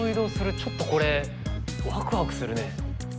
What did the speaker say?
ちょっとこれワクワクするね！